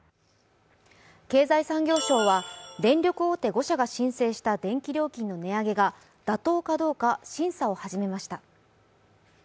経済産業省は電力大手５社が申請した電力料金の値上げが妥当かどうか審査を始めました。